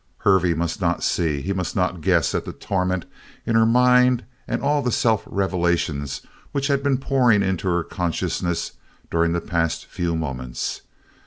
Hervey must not see. He must not guess at the torment in her mind and all the self revelations which had been pouring into her consciousness during the past few moments.